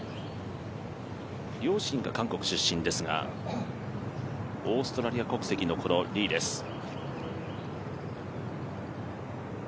両親が韓国出身ですがオーストラリア国籍のリーです。